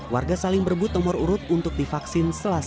warga saling berebut nomor antrian vaksinasi sentra vaksin gorciracas